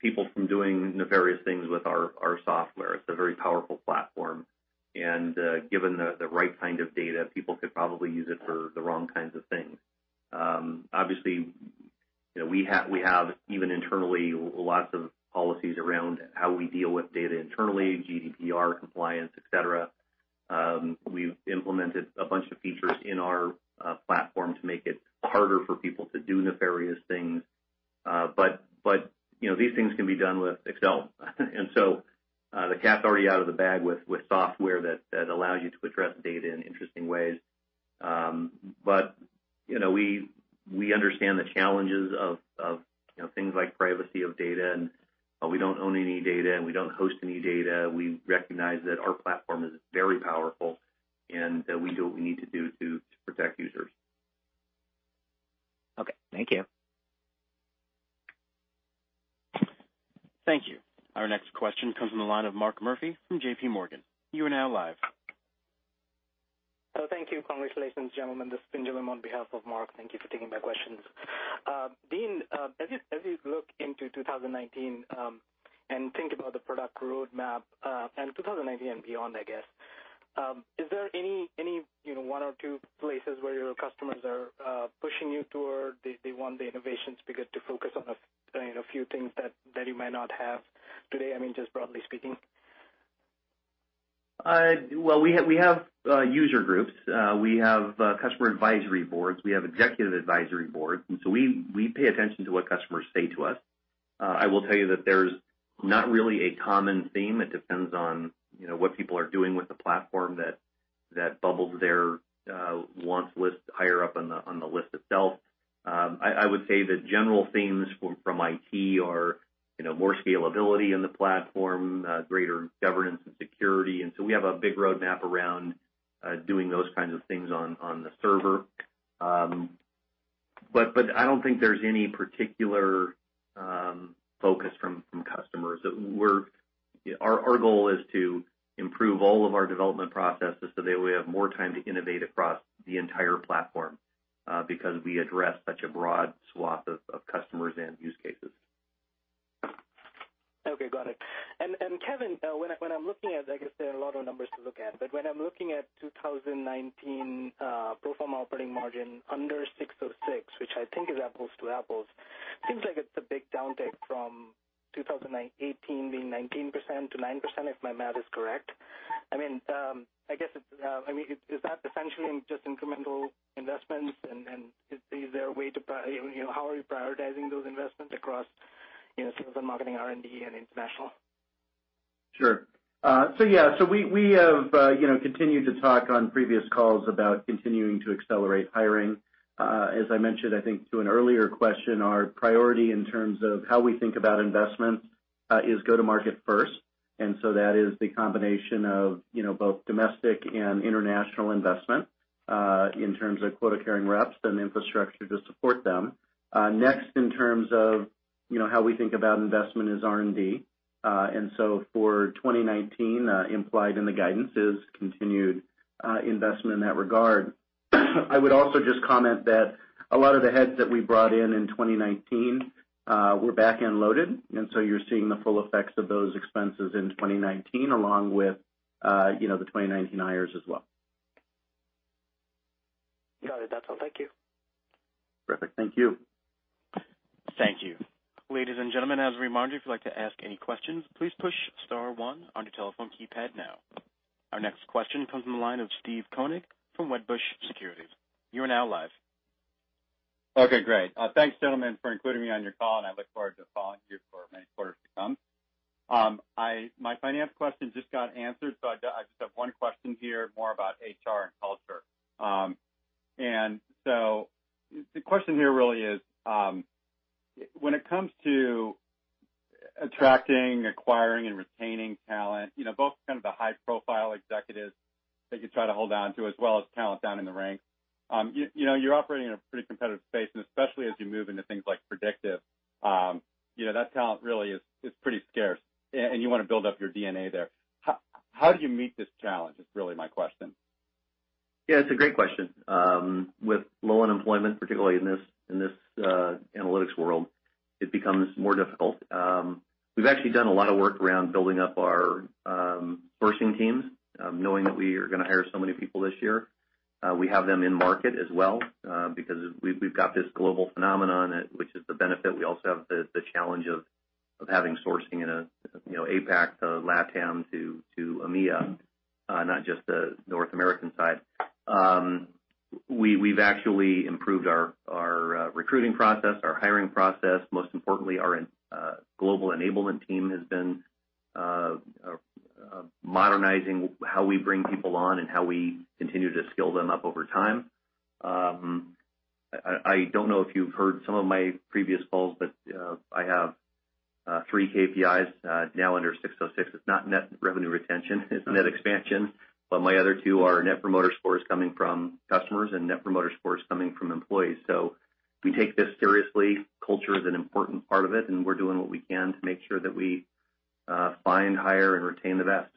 people from doing nefarious things with our software. It's a very powerful platform, and given the right kind of data, people could probably use it for the wrong kinds of things. Obviously, we have, even internally, lots of policies around how we deal with data internally, GDPR compliance, et cetera. We've implemented a bunch of features in our platform to make it harder for people to do nefarious things. These things can be done with Excel. The cat's already out of the bag with software that allows you to address data in interesting ways. We understand the challenges of things like privacy of data, and we don't own any data, and we don't host any data. We recognize that our platform is very powerful, and that we do what we need to do to protect users. Okay. Thank you. Thank you. Our next question comes from the line of Mark Murphy from J.P. Morgan. You are now live. Thank you. Congratulations, gentlemen. This is on behalf of Mark. Thank you for taking my questions. Dean, as you look into 2019, and think about the product roadmap, and 2019 and beyond, I guess, is there any one or two places where your customers are pushing you toward, they want the innovations to be good, to focus on a few things that you might not have today, just broadly speaking? Well, we have user groups. We have customer advisory boards. We have executive advisory boards. We pay attention to what customers say to us. I will tell you that there's not really a common theme. It depends on what people are doing with the platform that bubbles their wants list higher up on the list itself. I would say the general themes from IT are more scalability in the platform, greater governance and security. We have a big roadmap around doing those kinds of things on the server. I don't think there's any particular focus from customers. Our goal is to improve all of our development processes so that we have more time to innovate across the entire platform, because we address such a broad swath of customers and use cases. Okay, got it. Kevin, when I'm looking at, I guess there are a lot of numbers to look at, when I'm looking at 2019 pro forma operating margin under ASC 606, which I think is apples to apples, seems like it's a big downtick from 2018 being 19% to 9%, if my math is correct. Is that essentially just incremental investments, how are you prioritizing those investments across sales and marketing, R&D, and international? Sure. Yeah. We have continued to talk on previous calls about continuing to accelerate hiring. As I mentioned, I think, to an earlier question, our priority in terms of how we think about investments is go to market first. That is the combination of both domestic and international investment, in terms of quota-carrying reps and infrastructure to support them. Next in terms of how we think about investment is R&D. For 2019, implied in the guidance is continued investment in that regard. I would also just comment that a lot of the heads that we brought in in 2019 were back-end loaded. You're seeing the full effects of those expenses in 2019 along with the 2019 hires as well. Got it. That's all. Thank you. Perfect. Thank you. Thank you. Ladies and gentlemen, as a reminder, if you'd like to ask any questions, please push star one on your telephone keypad now. Our next question comes from the line of Steve Koenig from Wedbush Securities. You are now live. Okay, great. Thanks, gentlemen, for including me on your call, and I look forward to following you for many quarters to come. My finance question just got answered. I just have one question here, more about HR and culture. The question here really is, when it comes to attracting, acquiring, and retaining talent, both kind of the high-profile executives that you try to hold on to, as well as talent down in the ranks. You're operating in a pretty competitive space, and especially as you move into things like predictive, that talent really is pretty scarce, and you want to build up your DNA there. How do you meet this challenge, is really my question. Yeah, it's a great question. With low unemployment, particularly in this analytics world, it becomes more difficult. We've actually done a lot of work around building up our sourcing teams, knowing that we are going to hire so many people this year. We have them in market as well, because we've got this global phenomenon, which is the benefit. We also have the challenge of having sourcing in APAC to LATAM to EMEA, not just the North American side. We've actually improved our recruiting process, our hiring process. Most importantly, our global enablement team has been modernizing how we bring people on and how we continue to skill them up over time. I don't know if you've heard some of my previous calls, but I have three KPIs now under ASC 606. It's not net revenue retention, it's net expansion. My other two are Net Promoter Scores coming from customers and Net Promoter Scores coming from employees. We take this seriously. Culture is an important part of it, and we're doing what we can to make sure that we find, hire, and retain the best.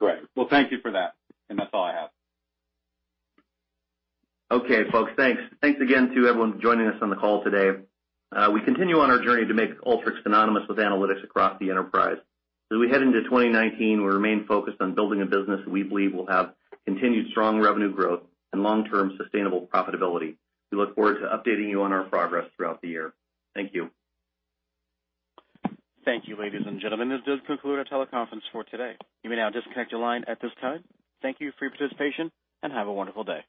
Great. Well, thank you for that. That's all I have. Okay, folks. Thanks. Thanks again to everyone for joining us on the call today. We continue on our journey to make Alteryx synonymous with analytics across the enterprise. As we head into 2019, we remain focused on building a business that we believe will have continued strong revenue growth and long-term sustainable profitability. We look forward to updating you on our progress throughout the year. Thank you. Thank you, ladies and gentlemen. This does conclude our teleconference for today. You may now disconnect your line at this time. Thank you for your participation, and have a wonderful day.